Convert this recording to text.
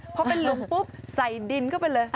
พอเป็นหลุมปุ๊บใส่ดินเข้าไปเลย